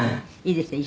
いいですね